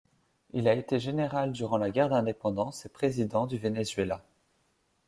Il a été général durant la guerre d'indépendance et président du Venezuela.